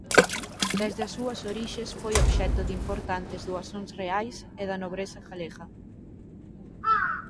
Desde as súa orixes foi obxecto de importantes doazóns reais e da nobreza galega.